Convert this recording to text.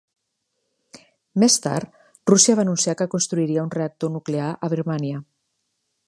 Més tard, Russia va anunciar que construiria un reactor nuclear a Birmània.